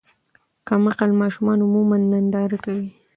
کم عقل ماشومان عموماً ننداره کوي.